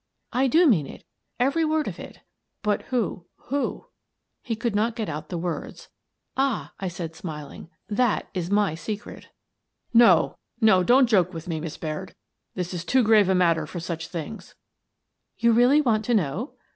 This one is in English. " I do mean it — every word of it" "But who — who— " He could not get out the words. " Ah," I said, smiling, " that is my secret." 246 Miss Frances Baird, Detective "No, no! Don't joke with me, Miss Baird. This is too grave a matter for such things." " You really want to know?